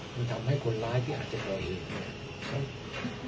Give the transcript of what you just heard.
มันทำให้คนร้ายที่อาจจะเป็นเองเนี่ย